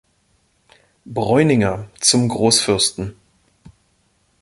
Breuninger, Zum Großfürsten".